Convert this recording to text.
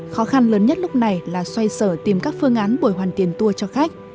khó khăn lớn nhất lúc này là xoay sở tìm các phương án bồi hoàn tiền tour cho khách